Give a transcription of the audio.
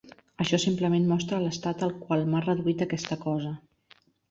Això simplement mostra l'estat al qual m'ha reduït aquesta cosa.